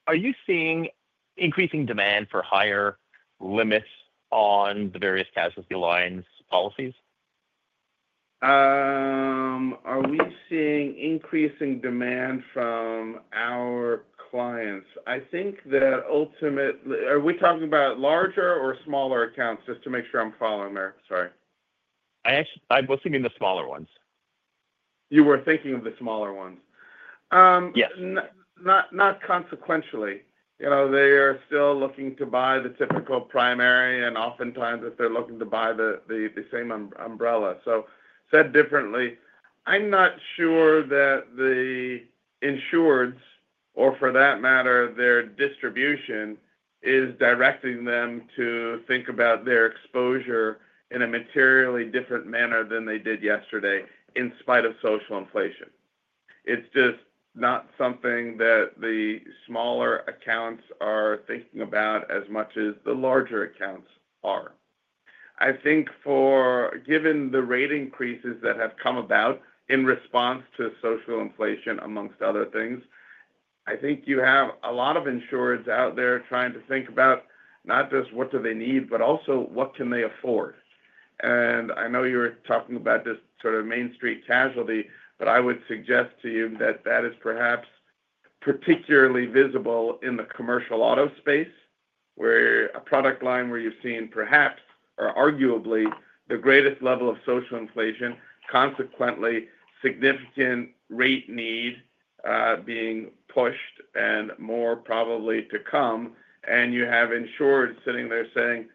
Speaker 16: are you seeing increasing demand for higher limits on the various casualty lines policies?
Speaker 2: Are we seeing increasing demand from our clients? I think that ultimately, are we talking about larger or smaller accounts? Just to make sure I'm following there. Sorry.
Speaker 16: I was thinking the smaller ones.
Speaker 2: You were thinking of the smaller ones.
Speaker 16: Yes.
Speaker 2: Not consequentially. They are still looking to buy the typical primary, and oftentimes, if they're looking to buy the same umbrella. So said differently, I'm not sure that the insureds or for that matter, their distribution is directing them to think about their exposure in a materially different manner than they did yesterday in spite of social inflation. It's just not something that the smaller accounts are thinking about as much as the larger accounts are. I think. Given the rate increases that have come about in response to social inflation, amongst other things, I think you have a lot of insureds out there trying to think about not just what do they need, but also what can they afford. And I know you were talking about just sort of Main Street casualty, but I would suggest to you that that is perhaps particularly visible in the commercial auto space, where a product line where you've seen perhaps or arguably the greatest level of social inflation, consequently, significant rate need being pushed and more probably to come. And you have insureds sitting there saying,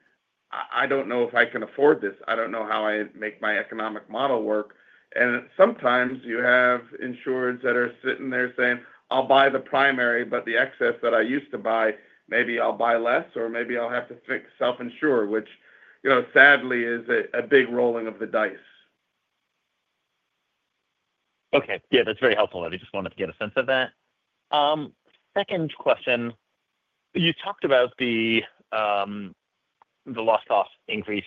Speaker 2: "I don't know if I can afford this. I don't know how I make my economic model work." And sometimes you have insureds that are sitting there saying, "I'll buy the primary, but the excess that I used to buy, maybe I'll buy less, or maybe I'll have to self-insure," which. Sadly is a big rolling of the dice.
Speaker 16: Okay. Yeah, that's very helpful. I just wanted to get a sense of that. Second question. You talked about the loss-cost increase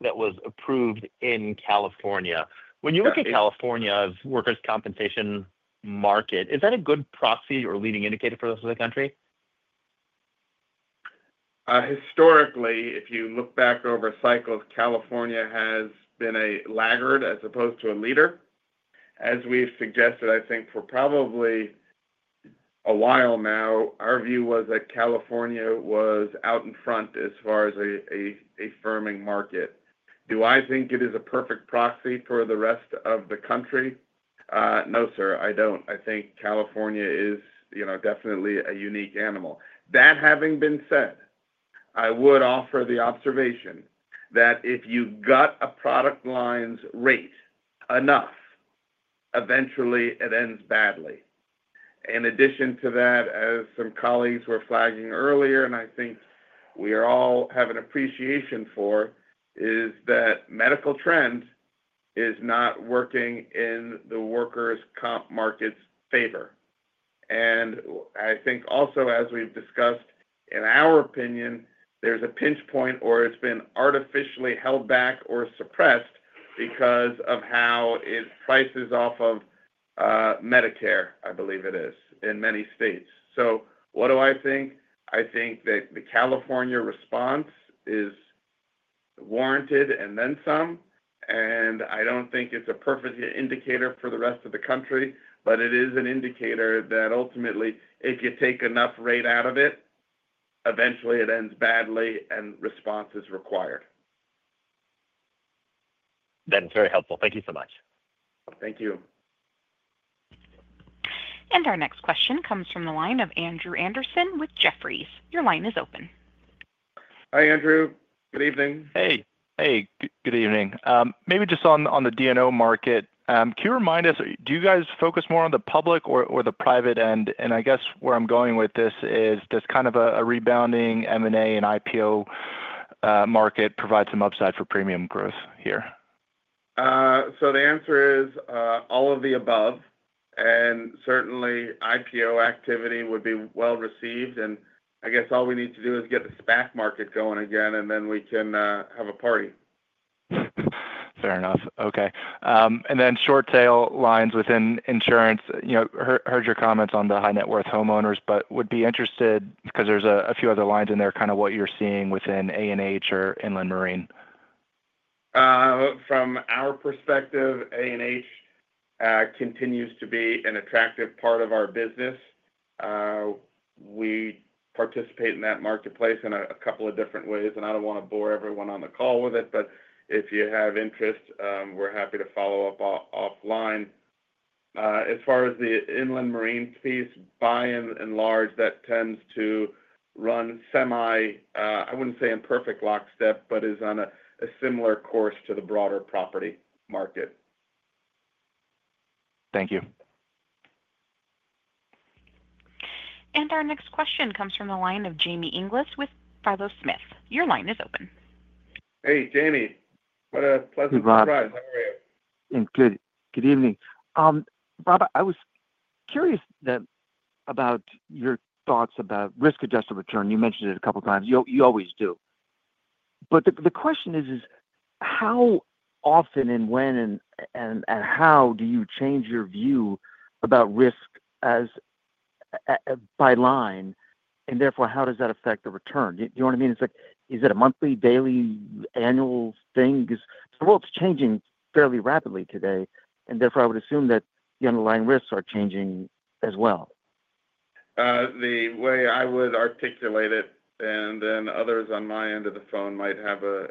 Speaker 16: that was approved in California. When you look at California's workers' compensation market, is that a good proxy or leading indicator for the country?
Speaker 2: Historically, if you look back over cycles, California has been a laggard as opposed to a leader. As we've suggested, I think for probably a while now, our view was that California was out in front as far as a firming market. Do I think it is a perfect proxy for the rest of the country? No, sir, I don't. I think California is definitely a unique animal. That having been said, I would offer the observation that if you gut a product line's rate enough, eventually, it ends badly. In addition to that, as some colleagues were flagging earlier, and I think we all have an appreciation for, is that medical trend is not working in the workers' comp market's favor. I think also, as we've discussed, in our opinion, there's a pinch point where it's been artificially held back or suppressed because of how it prices off of Medicare, I believe it is, in many states. What do I think? I think that the California response is warranted and then some. I don't think it's a perfect indicator for the rest of the country, but it is an indicator that ultimately, if you take enough rate out of it, eventually, it ends badly and response is required.
Speaker 16: That is very helpful. Thank you so much.
Speaker 2: Thank you.
Speaker 1: Our next question comes from the line of Andrew Anderson with Jefferies. Your line is open.
Speaker 2: Hi, Andrew. Good evening.
Speaker 17: Hey. Good evening. Maybe just on the D&O market, can you remind us, do you guys focus more on the public or the private end? I guess where I am going with this is does kind of a rebounding M&A and IPO market provide some upside for premium growth here?
Speaker 2: The answer is all of the above. Certainly, IPO activity would be well received. I guess all we need to do is get the SPAC market going again, and then we can have a party.
Speaker 17: Fair enough. Okay. Then short tail lines within insurance. Heard your comments on the high-net-worth homeowners, but would be interested because there's a few other lines in there, kind of what you're seeing within A&H or Inland Marine.
Speaker 2: From our perspective, A&H continues to be an attractive part of our business. We participate in that marketplace in a couple of different ways. I do not want to bore everyone on the call with it, but if you have interest, we are happy to follow up offline. As far as the Inland Marine piece, by and large, that tends to run semi—I would not say in perfect lockstep, but is on a similar course to the broader property market.
Speaker 17: Thank you.
Speaker 1: Our next question comes from the line of Jamie Inglis with Philo Smith. Your line is open.
Speaker 2: Hey, Jamie. What a pleasant surprise. How are you?
Speaker 18: Good. Good evening. Rob, I was curious about your thoughts about risk-adjusted return. You mentioned it a couple of times. You always do. The question is, how often and when. How do you change your view about risk by line? Therefore, how does that affect the return? You know what I mean? It's like, is it a monthly, daily, annual thing? The world's changing fairly rapidly today. Therefore, I would assume that the underlying risks are changing as well.
Speaker 2: The way I would articulate it, and then others on my end of the phone might have a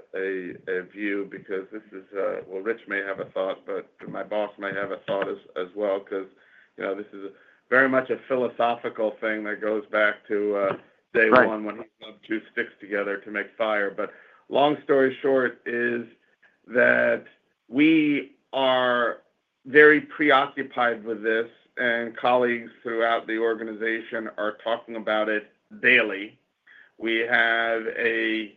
Speaker 2: view because this is—Rich may have a thought, but my boss may have a thought as well because this is very much a philosophical thing that goes back to day one when he rubbed two sticks together to make fire. Long story short is that we are very preoccupied with this, and colleagues throughout the organization are talking about it daily. We have a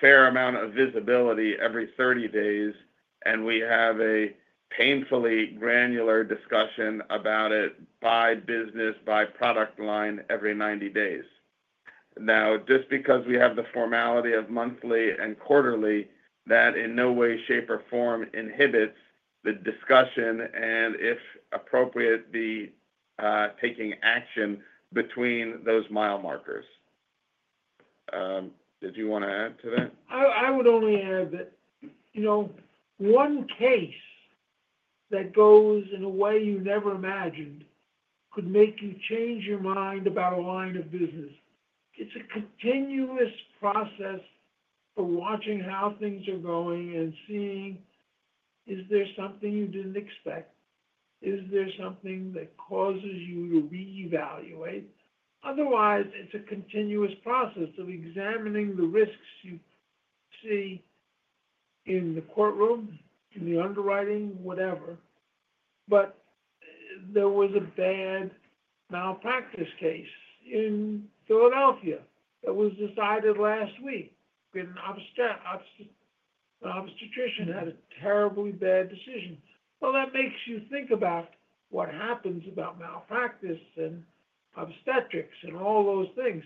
Speaker 2: fair amount of visibility every 30 days, and we have a painfully granular discussion about it by business, by product line every 90 days. Now, just because we have the formality of monthly and quarterly, that in no way, shape, or form inhibits the discussion and, if appropriate, the taking action between those mile markers. Did you want to add to that?
Speaker 19: I would only add that one case that goes in a way you never imagined could make you change your mind about a line of business. It's a continuous process for watching how things are going and seeing. Is there something you didn't expect? Is there something that causes you to reevaluate? Otherwise, it's a continuous process of examining the risks you see. In the courtroom, in the underwriting, whatever. There was a bad malpractice case in Philadelphia that was decided last week. An obstetrician had a terribly bad decision. That makes you think about what happens about malpractice and obstetrics and all those things.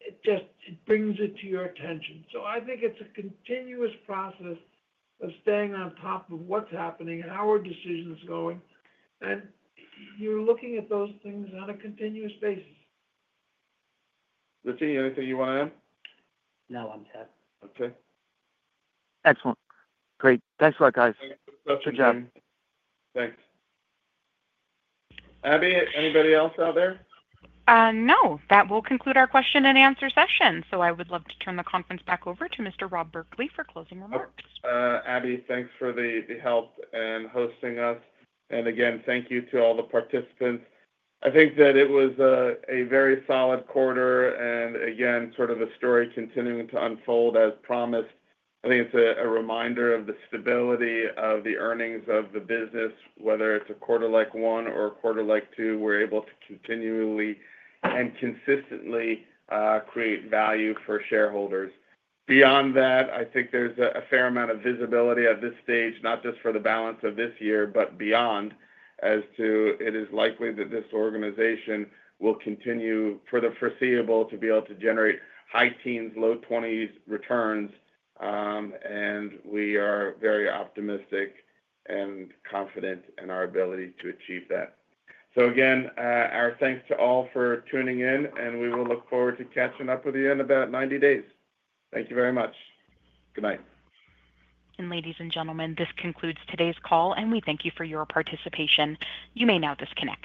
Speaker 19: It brings it to your attention. I think it's a continuous process of staying on top of what's happening, how are decisions going, and you're looking at those things on a continuous basis.
Speaker 2: Rich, anything you want to add?
Speaker 3: No, I'm set.
Speaker 2: Okay.
Speaker 18: Excellent. Great. Thanks a lot, guys. Good job.
Speaker 2: Thanks. Abby, anybody else out there?
Speaker 1: No. That will conclude our question-and-answer session. I would love to turn the conference back over to Mr. Rob Berkley for closing remarks.
Speaker 2: Abby, thanks for the help and hosting us. Again, thank you to all the participants. I think that it was a very solid quarter. Again, sort of the story continuing to unfold as promised. I think it is a reminder of the stability of the earnings of the business, whether it is a quarter like one or a quarter like two, we are able to continually and consistently create value for shareholders. Beyond that, I think there is a fair amount of visibility at this stage, not just for the balance of this year, but beyond, as to it is likely that this organization will continue for the foreseeable to be able to generate high teens, low 20s returns. We are very optimistic and confident in our ability to achieve that. Again, our thanks to all for tuning in, and we will look forward to catching up with you in about 90 days. Thank you very much. Good night.
Speaker 1: Ladies and gentlemen, this concludes today's call, and we thank you for your participation. You may now disconnect.